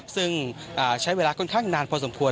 ซึ่งใช้เวลาค่อนข้างนานพอสมควร